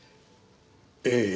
ええ。